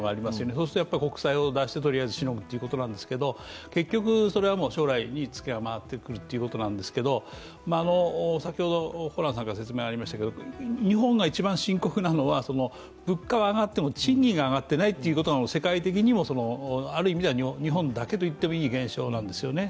そうすると国債を出してしのぐということなんですけど結局それは将来にツケが回っていくということなんですけど日本が一番深刻なのは、物価は上がっても賃金が上がっていないということが世界的にもある意味では日本だけといっていい現象なんですね。